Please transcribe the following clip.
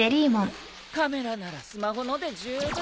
カメラならスマホので十分。